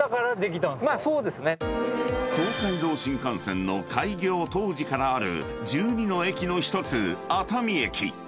［東海道新幹線の開業当時からある１２の駅の１つ熱海駅］